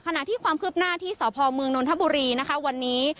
ขณะที่ความคืบหน้าที่สพมนธัมบุรีวันนี้